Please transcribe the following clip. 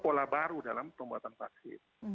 pola baru dalam pembuatan vaksin